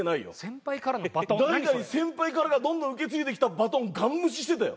代々先輩からどんどん受け継いできたバトンガン無視してたよ。